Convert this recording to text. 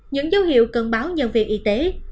những dấu hiệu cần báo nhân viên y tế